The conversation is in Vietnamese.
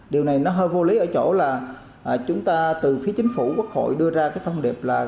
điều này nó hơi vô lý ở chỗ là chúng ta từ phía chính phủ quốc hội đưa ra cái thông điệp là